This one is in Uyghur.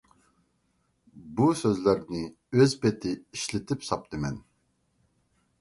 بۇ سۆزلەرنى ئۆز پېتى ئىشلىتىپ ساپتىمەن.